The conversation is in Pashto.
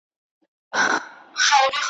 ډیر بیزاره دژوندو یم